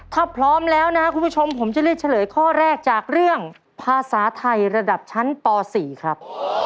ถ้าพร้อมแล้วนะคุณผู้ชมผมจะเลือกเฉลยข้อแรกจากเรื่องภาษาไทยระดับชั้นป๔ครับ